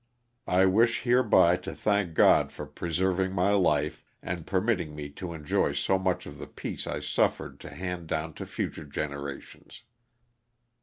I wish hereby to thank God for preserving my life and per mitting me to enjoy so much of the peace I suffered to hand down to future generations.